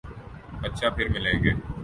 اچھا ، پرملیں گے